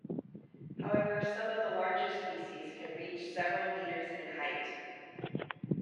However, some of the larger species can reach several metres in height.